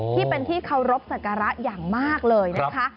ที่เป็นที่เคารพสักการะอย่างมากเลยนะคะ